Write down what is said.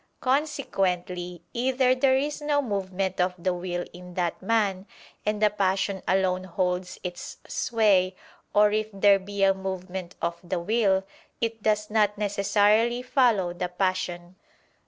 Consequently, either there is no movement of the will in that man, and the passion alone holds its sway: or if there be a movement of the will, it does not necessarily follow the passion.